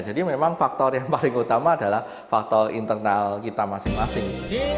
jadi memang faktor yang paling utama adalah faktor internal kita masing masing